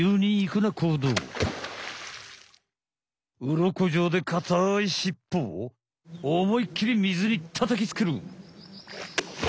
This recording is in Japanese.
うろこじょうでかたいしっぽをおもいっきり水にたたきつける！